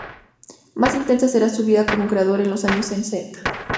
Más intensa será su vida como creador en los años sesenta.